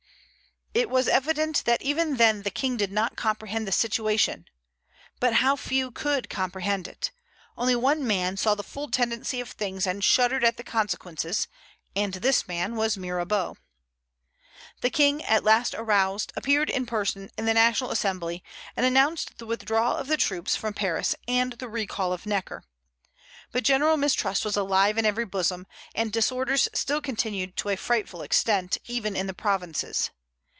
It was evident that even then the King did not comprehend the situation. But how few could comprehend it! Only one man saw the full tendency of things, and shuddered at the consequences, and this man was Mirabeau. The King, at last aroused, appeared in person in the National Assembly, and announced the withdrawal of the troops from Paris and the recall of Necker. But general mistrust was alive in every bosom, and disorders still continued to a frightful extent, even in the provinces.